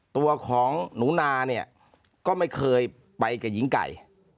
ตัวของหนูนาเนี่ยก็ไม่เคยไปกับหญิงไก่